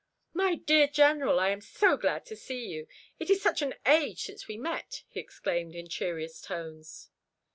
"My dear General, I am so glad to see you. It is such an age since we met," he exclaimed, in cheeriest tones.